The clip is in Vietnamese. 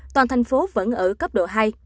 toàn thành phố vẫn ở cấp độ hai